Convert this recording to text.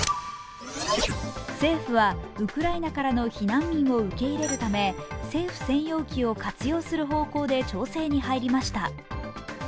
政府はウクライナからの避難民を受け入れるため政府専用機を活用する方向で調整に入りました。